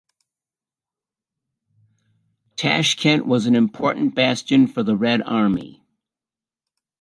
Tashkent was an important bastion for the Red Army.